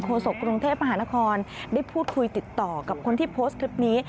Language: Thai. โศกกรุงเทพมหานครได้พูดคุยติดต่อกับคนที่โพสต์คลิปนี้